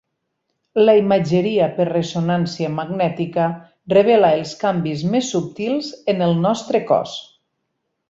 La imatgeria per ressonància magnètica revela els canvis més subtils en el nostre cos.